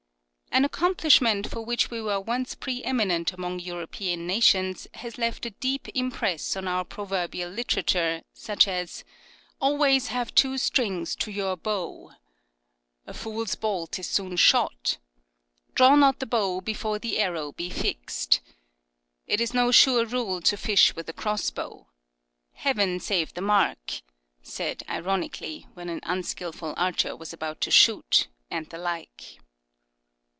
An accomplishment for which we were once pre eminent among European nations has left a deep impress on our proverbial literature, such as " Always have two strings to your bow," " A fool's bolt is soon shot," " Draw not the bow before the arrow be fixed," " It is no sure rule to fish with a cross bow," " Heaven save the mark !" said ironically when an unskilful archer was about to shoot, and the like.